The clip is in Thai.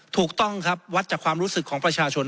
ถูกต้องครับวัดจากความรู้สึกของประชาชน